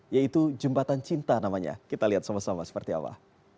yaitu jembatan cinta namanya kita lihat sama sama seperti apa